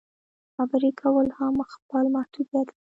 خبرې کول هم خپل محدودیت لري.